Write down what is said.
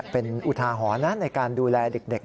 เป็นอุทาหรณ์นะในการดูแลเด็ก